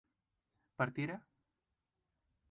¿partiera?